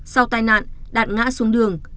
sau tai nạn đạt ngã xuống đường